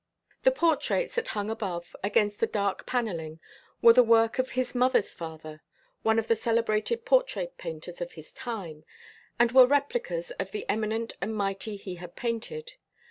The portraits that hung above, against the dark paneling, were the work of his mother's father, one of the celebrated portrait painters of his time, and were replicas of the eminent and mighty he had painted.